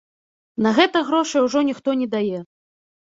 На гэта грошай ужо ніхто не дае.